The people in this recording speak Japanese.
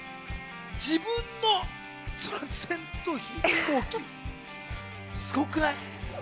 自分の戦闘機、すごくない？